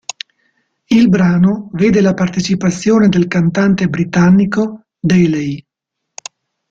Il brano vede la partecipazione del cantante britannico Daley.